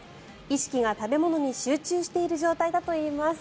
意識が食べ物に集中している状態だといいます。